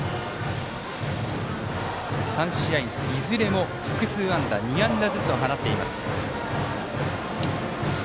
３試合いずれも複数安打２安打ずつを放っています。